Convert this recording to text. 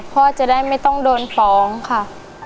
พ่อจะได้ไม่ต้องโดนฟ้องค่ะ